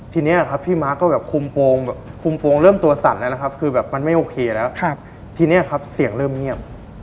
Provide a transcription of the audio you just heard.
ทีนี้ครับพี่ม้าก็แบบคุมโปรงแบบคุมโปรงเริ่มตัวสั่นแล้วนะครับคือแบบมันไม่โอเคแล้วทีนี้ครับเสียงเริ่มเงียบ